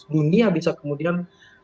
dunia bisa kemudian